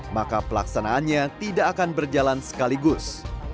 maka pelaksanaannya tidak akan berjalan sekaligus